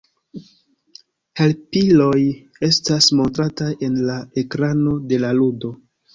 Helpiloj estas montrataj en la ekrano de la ludo.